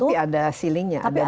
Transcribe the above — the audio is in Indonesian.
tapi ada ceilingnya ada batasnya kan